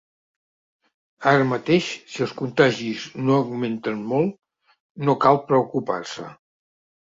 Ara mateix si els contagis no augmenten molt, no cal preocupar-se.